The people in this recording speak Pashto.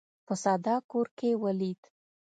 په ساده کور کې ولید.